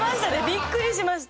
びっくりしました。